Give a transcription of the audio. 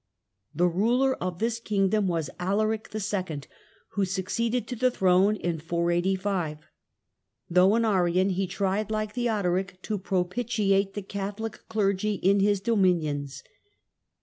The ruler of this kingdom was Alaric II., who succeeded to the throne in 485. Though an Arian, he tried, like Theo doric, to propitiate the Catholic clergy in his dominions.